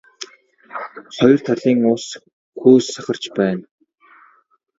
Хоёр талын ус хөөс сахарч байна.